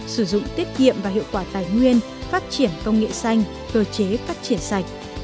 sử dụng tiết kiệm và hiệu quả tài nguyên phát triển công nghệ xanh cơ chế phát triển sạch